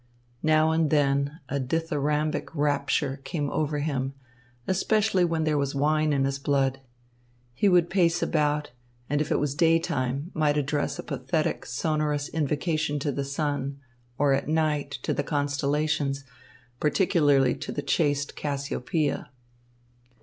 Now and then a dithyrambic rapture came over him, especially when there was wine in his blood. He would pace about, and if it was daytime, might address a pathetic, sonorous invocation to the sun, or at night, to the constellations, particularly to the chaste Cassiopeia.